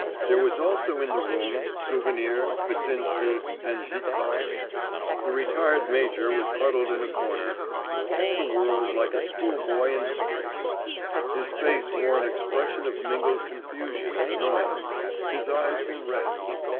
There were also in the room Souvenir, Kvitsinsky, and Zhitkov. The retired major was huddled in a corner, for all the world like a schoolboy in disgrace. His face wore an expression of mingled confusion and annoyance; his eyes were red.